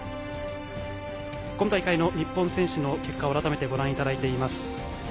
今大会の日本選手の結果を改めてご覧いただいています。